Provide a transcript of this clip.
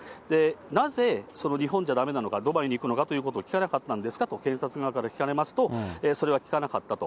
なぜその日本じゃだめなのか、ドバイに行くのかということを聞かなかったんですかと検察側から聞かれますと、それは聞かなかったと。